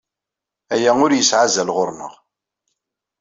Aya ur yesɛi azal ɣur-neɣ.